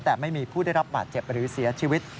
แต่ไม่มีผู้ได้รับบาดเจ็บหรือเสียชีวิต